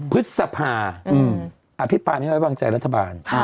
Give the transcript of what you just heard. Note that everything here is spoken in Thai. พฤษภาอภิปรายไม่ไว้วางใจรัฐบาล